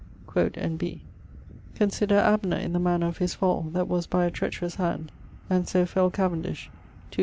quod N. B. 'Consider Abner in the manner of his fall, that was by a treacherous hand, and so fell Cavendish.